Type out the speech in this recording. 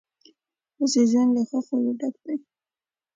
اوس یې ژوند له خوښیو ډک دی.